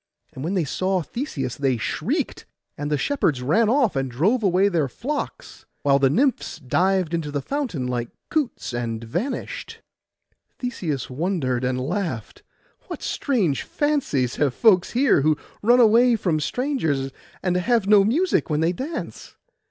And when they saw Theseus they shrieked; and the shepherds ran off, and drove away their flocks, while the nymphs dived into the fountain like coots, and vanished. Theseus wondered and laughed: 'What strange fancies have folks here who run away from strangers, and have no music when they dance!